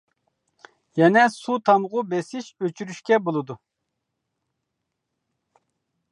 يەنە سۇ تامغۇ بېسىش ئۆچۈرۈشكە بولىدۇ.